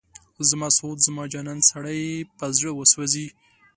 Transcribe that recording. زما سعود، زما جانان، سړی په زړه وسوځي